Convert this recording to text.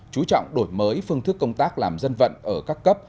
chú trọng đổi mới phương thức công tác làm dân vận ở các cấp